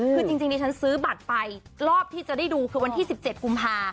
คือจริงดิฉันซื้อบัตรไปรอบที่จะได้ดูคือวันที่๑๗กุมภา